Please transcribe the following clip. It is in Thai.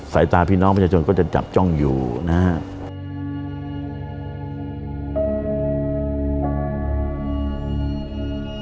สายตาพี่น้องประชาชนก็จะจับจ้องอยู่นะครับ